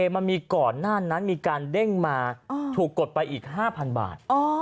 มันมีก่อนหน้านั้นมีการเด้งมาถูกกดไปอีก๕๐๐บาท